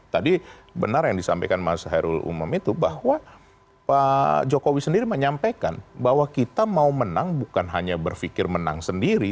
tadi benar yang disampaikan mas hairul umam itu bahwa pak jokowi sendiri menyampaikan bahwa kita mau menang bukan hanya berpikir menang sendiri